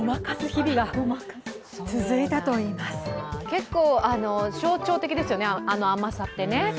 結構、象徴的ですよね、あの甘さって。